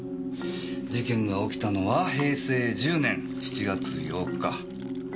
事件が起きたのは平成１０年７月８日。